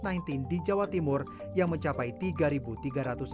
pada delapan juni surabaya menjadi kota dengan jumlah pasien terbanyak covid sembilan belas